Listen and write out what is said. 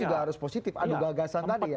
juga harus positif adu gagasan tadi ya